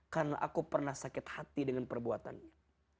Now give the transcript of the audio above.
karena aku pernah sakit hati dengan perbuatannya